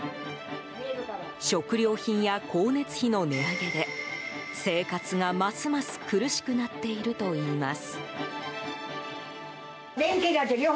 食料品や光熱費の値上げで生活が、ますます苦しくなっているといいます。